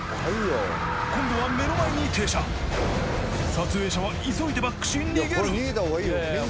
今度は目の前に停車撮影者は急いでバックし逃げる！